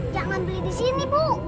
jangan beli di sini bu